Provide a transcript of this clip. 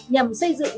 nhằm xây dựng